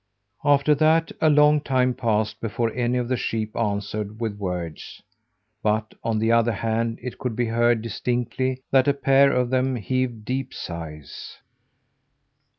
After that a long time passed before any of the sheep answered with words; but, on the other hand, it could be heard distinctly that a pair of them heaved deep sighs.